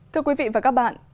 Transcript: thưa quý vị và các bạn